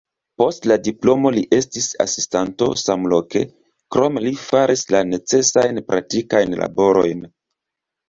Post la diplomo li estis asistanto samloke, krome li faris la necesajn praktikajn laborojn.